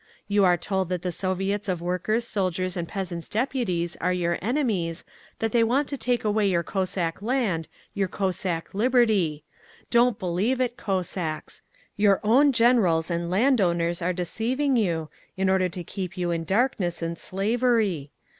You are told that the Soviets of Workers', Soldiers' and Peasants' Deputies are your enemies, that they want to take away your Cossack land, your Cossack 'liberty'. Don't believe it, Cossacks…. Your own Generals and landowners are deceiving you, in order to keep you in darkness and slavery.